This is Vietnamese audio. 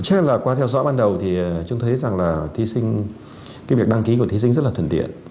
chắc là qua theo dõi ban đầu thì chúng thấy rằng là cái việc đăng ký của thí sinh rất là thuần tiện